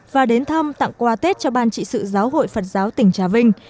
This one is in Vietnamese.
và đến thăm tặng quà tết cho ban trị sự giáo hội phật giáo tỉnh trà vinh